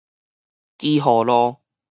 基河路